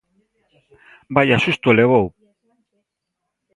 Vaia susto levou!